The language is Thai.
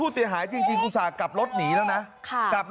สวัสดีครับ